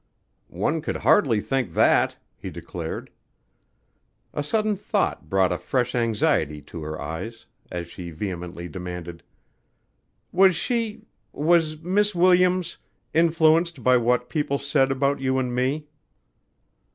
"One could hardly think that," he declared. A sudden thought brought a fresh anxiety to her eyes, as she vehemently demanded: "Was she was Miss Williams, influenced by what people said about you and me?"